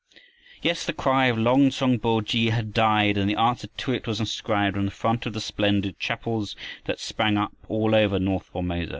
Yes, the cry of "Long tsong bo khi" had died, and the answer to it was inscribed on the front of the splendid chapels that sprang up all over north Formosa.